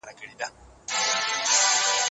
هغه اوس اوړي غرونه غرونه پـــرېږدي